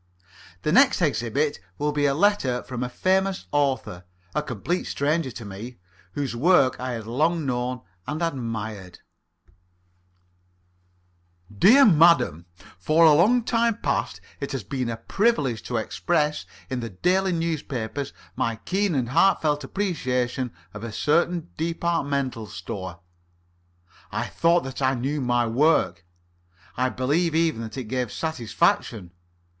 The next exhibit will be a letter from a famous author, a complete stranger to me, whose work I had long known and admired: "Dear Madam, For a long time past it has been my privilege to express in the daily newspapers my keen and heartfelt appreciation of a certain departmental store. I thought that I knew my work. I believe even that it gave satisfaction.